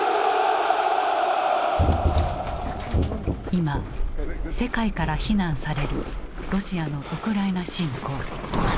今世界から非難されるロシアのウクライナ侵攻。